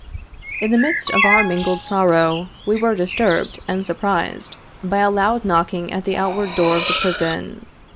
In the midst of our mingled sorrow, we were disturbed and surprised by a loud knocking at the outward door of the prison.